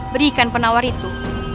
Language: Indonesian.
berikan penawar itu